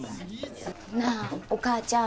なあお母ちゃん。